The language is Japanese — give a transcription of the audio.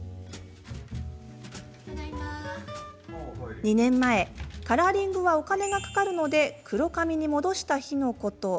２年前カラーリングはお金がかかるので黒髪に戻した日のこと。